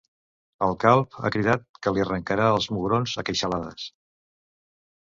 El calb ha cridat que li arrencarà els mugrons a queixalades.